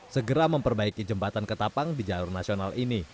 segera memperbaiki jembatan ketapang di jalur nasional ini